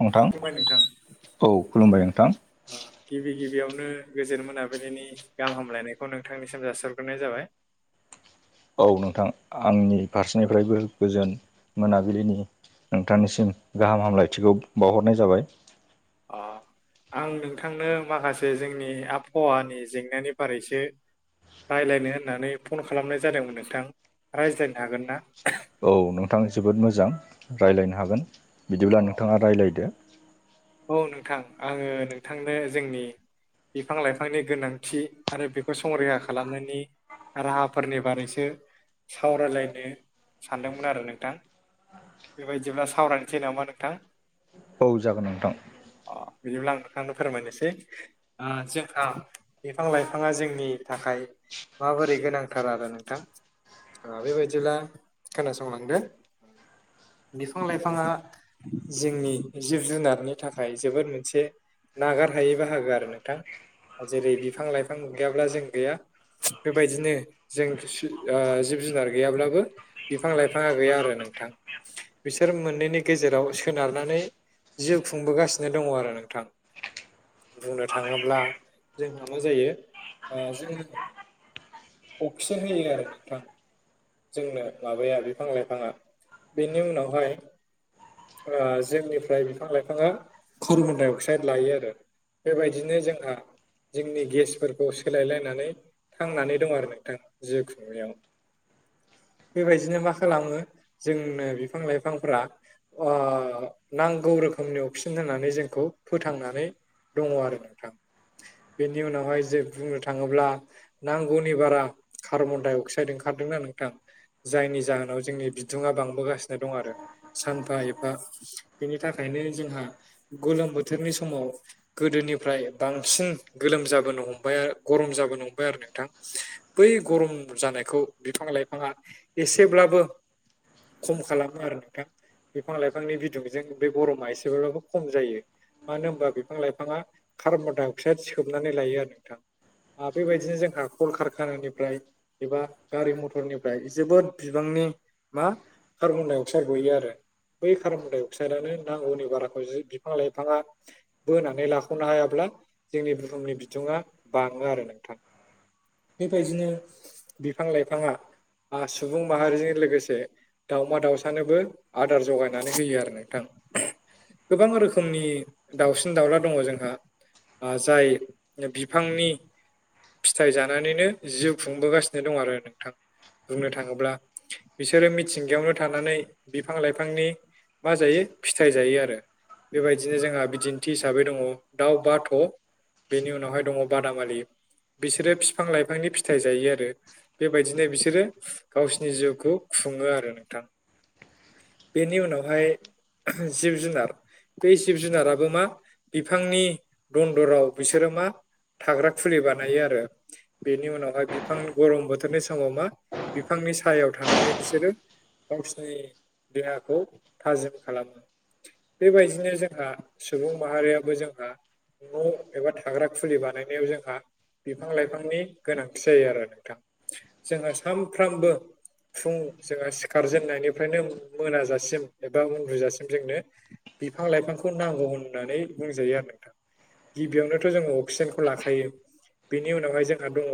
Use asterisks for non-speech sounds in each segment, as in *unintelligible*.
नोंथां खुलुमबाय औ खुलुमबाय नोंथां। ओ गिबि गिबियावनो गोजोन मोनाबिलिनि गाहाम हामलायनायखौ नोंथांनिसिम जाासिहरग्रोनाय जाबाय औ नोंथां आंनि फारसेनिफ्रायबो गोजोन मोनाबिलिनि नोंथांनिसिम गाहाम हामलायथिखौ बावहरनाय जाबाय अ आं नोंथांनो माखासे जोंनि आबहावानि जेंनानि बारैसो रायलायनो होननानै फन खालामनाय जादोंमोन नोंथां। रायज्लायनो हागोन ना? औ नोंथां जोबोद मोजां रायलायनो हागोन बिदिब्ला नोंथाङा रायलायदो औ नोंथां आङो नोंथांनो जोंनि बिफां लाइफांनि गोनांथि आरो बेखौ संरैखा खालामनायनि राहाफोरनि बारैसो सावरायलायनो सानदोंमोन आरो नोंथां। बेबायदिब्ला सावरायनोसै नामा नोंथां औ जागोन नोंथां अ बिदिब्ला आं नोंथांनो फोरमायनोसै औ जोंहा बिफां लाइफाङा जोंनि थाखाय माबोरै गोनांथार आरो नोंथां ओ बेबायदिब्ला खोनासंलांदो बिफां लाइफाङा जोंनि जिब जुनार नि थाखाय जोबोद मोनसे नागारहायै बाहागो आरो नोंथां जेरै बिफां लाइफां गैयाब्ला जों गैया बेबायदिनो जों सो आ जिब जुनार गैयाब्लाबो बिफां लाइफाङा गैया आरो नोंथां बिसोर मोननैनि गेजेराव सोनारनानै जिउ खुंबोगासिनो दङ आरो नोंथां बुंनो थाङोब्ला जोंहा मा जायो ओ जोङो अक्सिजेन होयो आरो नोंथां जोंनो माबाया बिफां लाइफाङा बेनि उनावहाय ओ जोंनिफ्राय बिफां लाइफाङा कार्बन डाइ अक्साइड लायो आरो बेबायदिनो जोंहा जोंनि गेसफोरखौ सोलायलायनानै थांनानै दं आरो नोंथां जिउ खुंनायाव बेबायदिनो मा खालामो जोंनो बिफां लाइफांफ्रा ओ नांगौ रोखोमनि अक्सिजेन होननानै जोंखौ फोथांनानै दङ आरो नोंथां बेनि उनावहाय जे बुंनो थाङोब्ला नांगौनि बारा कार्बन डाइ अक्साइद ओंखारदोंना नोंथां जायनि जाहोनाव जोंनि बिदुङा बांबोगासिनो दं आरो सानफा एफा बेनि थाखायनो जोंहा गोलोम बोथोरनि समाव गोदोनिफ्राय बांसिन गोलोम जाबोनो हमबाय आ आरो गरम जाबोनो हमबाय आरो नोंथां बै गरम जानायखौ बिफां लाइफाङा एसेब्लाबो खम खालामो आरो नोंथां बिफां लाइफांनि बिदुंजों बे गरमा एसेबाबो खम जायो मानो होमबा बिफां लाइफाङा कार्बन डाइ अक्साइड सोबनानै लायो आरो नोंथां आ बेबायदिनो जोंहा कल‌ खार खानानिफ्राय एबा गारि मथरनिफ्राय जोबोद बिबांनि मा कारबन डाइ अक्साइड गयो आरो बै कार्बन दाय अक्साइडआनो नांगौनि बाराखौ जि बिफां लाइफाङा बोनानै लाख'नो हायाब्ला जोंनि बुहुमनि बिदुङा बाङो आरो नोंथां बेबायदिनो बिफां लाइफाङा आ सुबुं माहारिजों लोगोसे दावमा दाउसानोबो आदार जगायनानै होयो आरो नोंथां गोबां रोखोमनि दाउसिन दाउला दङ जोंहा ओ जाय बिफांनि फिथाइ जा नानैनो जिउ खुंबोगासिनो दं आरो नोंथां बुंनो थाङोब्ला बिसोरो मिथिंगायावनो थानानै बिफां लाइफांनि मा जायो फिथाइ जायो आरो बेबायदिनो जोंहा बिदिन्थि हिसाबै दङ दाउ बाथ' बेनि उनावहाय दङ बादामालि बिसोरो फिफां लाइफांनि फिथाइ जायो आरो बेबायदिनो बिसोरो गावसोरनि जिउखौ खुङो आरो नोंथां बेनि उनावहाय *unintelligible* जिब जुनार बे जिब जुनाराबो मा बिफांनि दन्दराव बिसोरो मा थाग्रा खुलि बानायो आरो बेनि उनावहाय बिफां गरम बोथोरनि समाव मा बिफांनि सायायाव थानानै बिसोरो गावसोरनि देहाखौ थाजिम खालामो। बेबायदिनो जोंहा सुबुं माहारियाबो जोंहा न' एबा थाग्रा खुलि बानायनायाव जोंहा बिफां लाइफांनि गोनांथि जायो आरो नोंथां जोंना सामफ्रामबो फुं जोंहा सिखारजेननायनिफ्रायनो मोनाजासिम एबा उन्दुजासिम जोंनो बिफां लाइफांखौ नांगौ होननानै बुंजायो आरो नोंथां गिबियावनोथ' जोङो अक्सिजेनखौ लाखायो बेनि उनावहाय जों दङ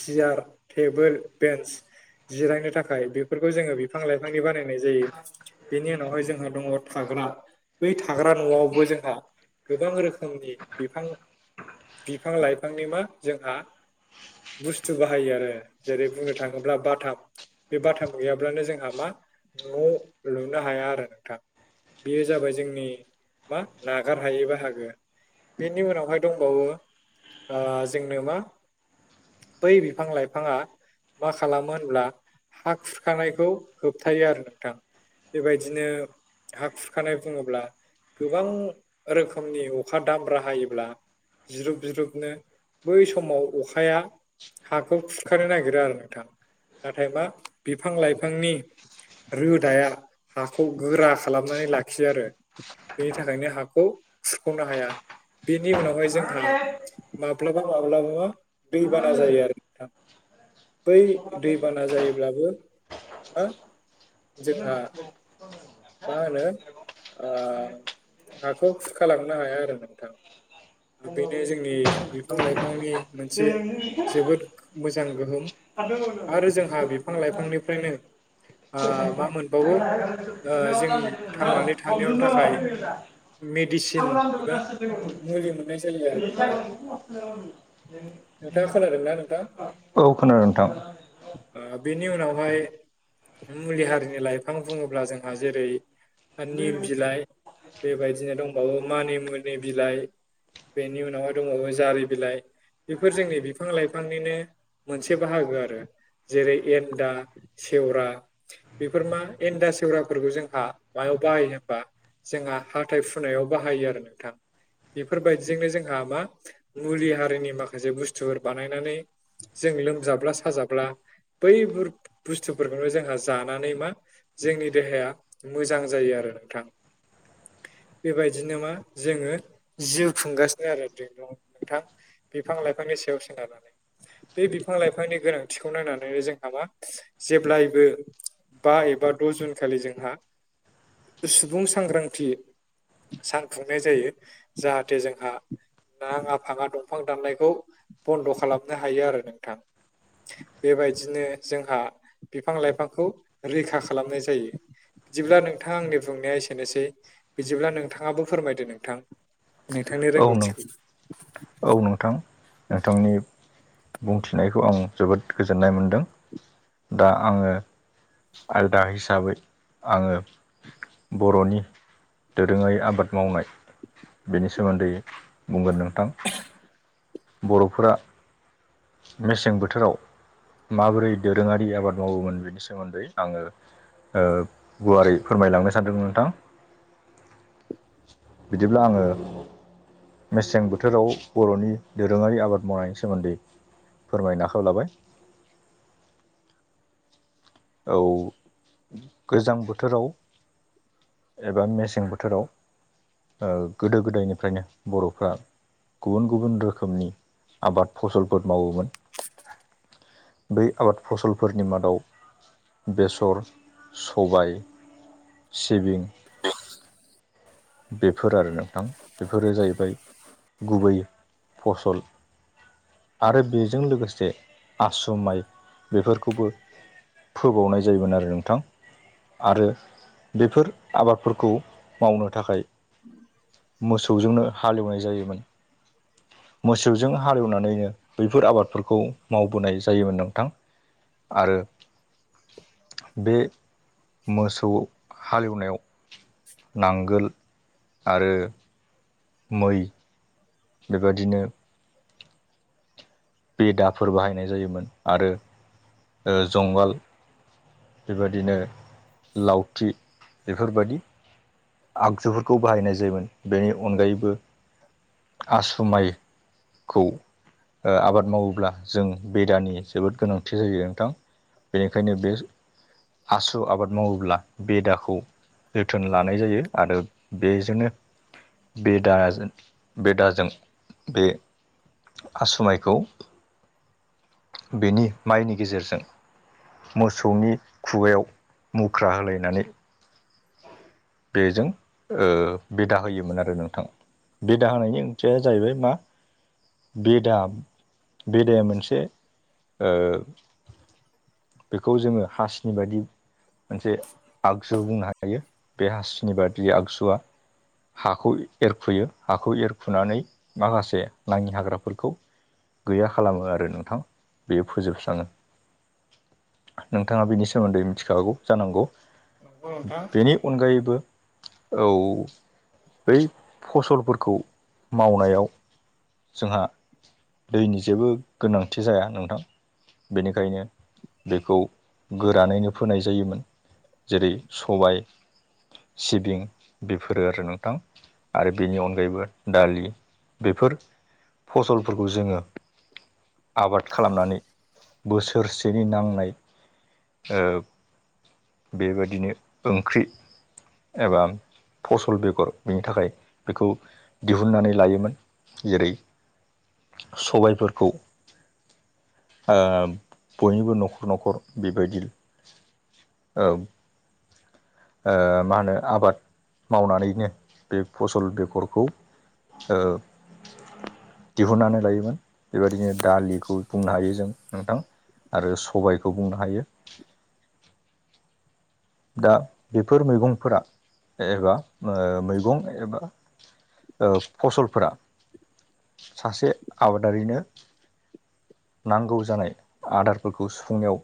सियार टेबोल बेन्स जिरायनो थाखाय बेफोरखौ जोङो बिफां लाइफांनि बानायनाय जायो बेनि उनावहाय जोंहा दङ थाग्रा बै थाग्रा न'आवबो जोंहा गोबां रोखोमनि बिफां बिफां लाइफांनि मा जोंहा बुस्थु बाहायो आरो जेरै बुंनो थाङोब्ला बाथाम बे बाथाम गैयाब्लानो जोंहा मा न' लुनो हाया आरो नोंथां बेयो जाबाय जोंनि मा नागार हायै बाहागो बेनि उनावहाय दंबावो आ जोंनो मा बै बिफां लाइफाङा मा खालामो होनब्ला हा खुरखानायखौ होबथायो आरो नोंथां बेबायदिनो हा खुरखानाय बुङोब्ला गोबां रोखोमनि अखा दामब्रा हायोब्ला जिरुब जिरुबनो बै समाव अखा अखाया हाखौ खुरखानो नागिरो आरो नोंथां नाथाय मा बिफां लाइफांनि रोदाया हाखौ गोरा खालामनानै लाखियो आरो बेनि थाखायनो हाखौ खुरख'नो हाया बिनि उनावहाय जोंहा माब माब्लाबा माब्लाबा दैबाना जायो आरो बै दैबाना जायोब्लाबो मा जोंहा मा होनो आ हाखौ खुुरखा लांनो हाया आरो नोंथां बेनो जोंनि बिफां लाइफांनि मोनसे जोबोद मोजां गोहोम आरो जोंहा बे बिफां लाइफांनिफ्रायनो आ मा मोनबावो आ जों थांनानै थानायाव थाखाय औ मेडिसिन एबा मुलि मोननाय जायो आरो नोंथां नोंथाङा खोनादों ना नोंथां? औ खोनादों नोंथां बेनि उनावहाय मुलि हारिनि लाइफां बुङोब्ला जों जेरै निम बिलाइ बेबायदिनो दंबावो मानिमुनि बिलाइ बेनि उनावहाय दंबावो जारि बिलाइ बेफोर जोंनि बिफां लाइफांनिनो मोनसे बाहागो आरो जेरै एन्दा सेवरा बेफोर मा एन्दा सेवरा फोरखौ जोंहा मायाव बाहायो होमबा जोंहा हाथाय फुनायाव बाहायो आरो नोंथां बेफोरबायदिजोंनो जोंहा मा मुलि हारिनि माखासे बुस्थुफोर बानायनानै जों लोमजाब्ला साजाब्ला बैफोर बुस्थुफोरखौनो जोंहा जानानै मा जोंनि देहाया मोजां जायो आरो नोंथां। बेबायदिनो मा जोङो जिउ खुंगासिनो आरो। नोंथां बिफां लाइफांनि सायाव सोनारनानै बे बिफां लाइफांनि गोनांथिखौ नायनानैनो जोंहा मा जेब्लायबो बा एबा द' जुन खालि जोंहा सुबुं सांग्रांथि सान खुंनाय जायो जाहाथे जोंहा नाङा फाङा दंफां दाननायखौ बन्द' खालामनो हायो आरो नोंथां। बेबायदिनो जोंहा बिफां लाइफांखौ रैखा खालामनाय जायो। बिदिब्ला नोंथाङा आंनि बुंनाया एसेनोसै बिदिब्ला नोंथाङाबो फोरमायदो नोंथां। नोंथांनि औ नों रोंगौथिखौ। औ नोंथां। नोंथांनि बुंथिनायखौ आं जोबोद गोजोननाय मोनदों। दा आङो आलदा हिसाबै आङो बर'नि दोरोङारि आबाद मावनाय बेनि सोमोन्दै बुंगोन नोंथां। बर'फोरा मेसें बोथोराव माबोरै दोरोङारि आबाद मावोमोन बेनि सोमोन्दै आङो ओ गुवारै फोरमायलांनो सानदों नोंथां। बिदिब्ला आङो मेसें बोथोराव बर'नि दोरोङारि आबाद मावनायनि सोमोन्दै फोरमायनो आखायाव लाबाय। औ गोजां बोथोराव एबा मेसें बोथोराव ओ गोदो गोदायनिफ्रायनो बर'फ्रा गुबुन गुबुन रोखोमनि आबाद फसलफोर मावोमोन। बै आबाद फसलफोरनि मादाव बेसर सबाय सिबिं आ *inaudible* बेफोर आरो नोंथां बेफोरो जाहैबाय गुबै फसल। आरो बेजों लोगोसे आसु माइ बेफोरखौबो फोबावनाय जायोमोन आरो नोंथां। आरो बेफोर आबादफोरखौ मावनो थाखाय मोसौजोंनो हालेवनाय जायोमोन। मोसौजों हालेवनानैनो बैफोर आबादफोरखौ मावबोनाय जायोमोन नोंथां। आरो बे मोसौ हालेवनायाव नांगोल आरो मै बेबादिनो *inaudible* बेदाफोर बाहायनाय जायोमोन आरो ओ जुंगाल बेबायदिनो लावथि बेफोरबायदि आगजुफोरखौ बाहायनाय जायोमोन बेनि अनगायैबो आसु माइखौ ओ आबाद अब्ला जों बेदानि जोबोद गोनांथि जायो नोंथां बेनिखायनो बे आसु आबाद मावोब्ला बे दाखौ जोथोन लानाय जायो आरो बेजोंनो बे दाजों बे दाजों बे आसुमायखौ बेनि माइनि गेजेरजों मोसौनि खुगायाव मुख्रा होलायनानै *inaudible* बेजों बिदा होयोमोन आरो नोंथां बिदा होनायनि ओंथिया जाहैबाय मा बिदा बेदाया मोनसे ओ बेखौ जोङो हासिनि बायदि मोनसे आगजु बुंनो हायो। बे हासिनि बादि आगजुआ हाखौ एरखुयो हाखौ एरखुनानै माखासे नाङि हाग्राफोरखौ गैया खालामो आरो नोंथां बेयो फोजोबस्राङो। नोंथाङा बेनि सोमोन्दै मिथिखागौ जानांगौ नंगौ नोंथां बेनि अनगायैबो औ बै फसलफोरखौ मावनायाव जोंहा दैनि जेबो गोनांथि जाया नोंथां बेनिखायनो बेखौ गोरानैनो फोनाय जायोमोन जेरै सबाय सिबिं बेफोरो आरो नोंथां आरो बेनि अनगायैबो दालि बेफोर फसलफोरखौ जोङो। आबाद खालामनानै बोसोरसेनि नांनाय ओ बेबादिनो ओंख्रि। एबा फसल बेगर बेनि थाखाय बेखौ। दिहुननानै लायोमोन जेरै सबायफोरखौ ओ बयनिबो न'खर न'खर बेबायदि औ ओ मा होनो आबाद मावनानैनो बे फसल बेगरखौ। औ दिहुननानै लायोमोन बेबायदिनो दालिखौ बुंनो हायो जों नोंथां। आरो सबायखौ बुंनो हायो दा बेफोर मैगंफोरा एबा ओ मैगं एबा ओ फसलफोरा सासे आबादारिनो नांगौ जानाय आदारफोरखौ सुफुंनायाव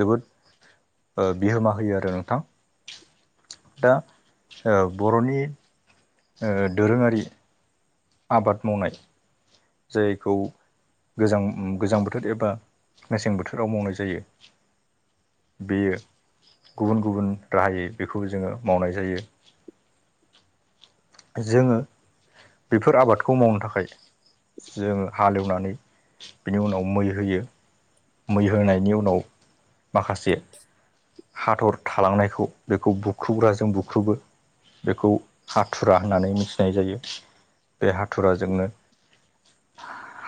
जोबोद। ओ बिहोमा होयो आरो नोंथां दा ओ बर'नि ओ दोरोङारि। आबाद मावनाय जायखौ गोजां गोजां बोथोर एबा मेसें बोथोराव मावनाय जायो। बेयो गुबुन गुबुन राहायै बेखौबो जोङो मावनाय जायो जोङो बेफोर आबादखौ मावनो थाखाय। जोङो हालेवनानै बिनि उनाव मै होयो। मै होनायनि उनाव माखासे। *inaudible* हाथर थालांनायखौ बेखौ बुख्रुब्राजों बुख्रुबबो। बेखौ हाथुरा होननानै मिथिनाय जायो बे हाथुराजोंनो।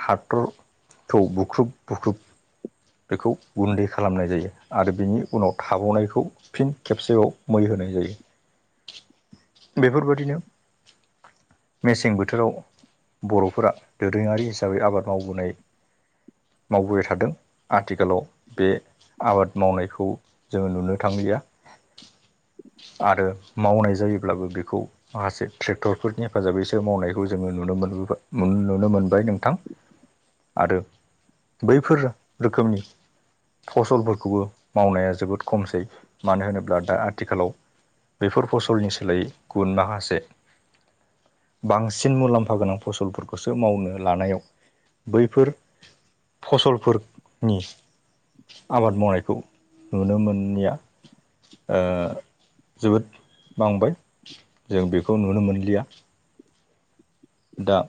हाथरखौ बुख्रुब बुख्रुब बेखौ गुन्दै खालामनाय जायो आरो बिनि उनाव। थाबावनायखौ फिन खेबसेयाव मै होनाय जायो। बेफोरबादिनो मेसें बोथोराव बर'फोरा दोरोङारि हिसाबै आबाद मावबोनाय। मावबोबाय थादों आथिखालाव बे आबाद मावनायखौ। जोङो नुनो थांलिया *inaudible* आरो मावनाय जायोब्लाबो बेखौ माखासे ट्रेक्टरफोरनि हेफाजाबैसो मावनायखौ जोङो नुनो मोनबो नुनो नुनो मोनबाय नोंथां। आरो बैफोर रोखोमनि। फसलफोरखौबो मावनाया जोबोद खमसै मानो होनोब्ला दा आथिखालाव। बेफोर फसलनि सोलायै गुन माखासे बांसिन मुलाम्फा गोनां फसलफोरखौसो मावनो लानायाव। बैफोर फसलफोरनि आबाद मावनायखौ नुनो मोननिया ओ जोबोद बांबाय जों बेखौ नुनो मोनलिया दा